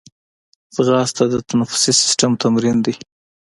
ځغاسته د تنفسي سیستم تمرین دی